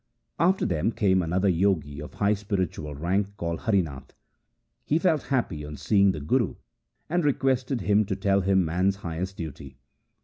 After them came another Jogi of high spiritual rank called Harinath. He felt happy on seeing the Guru, and requested him to tell him man's highest duty.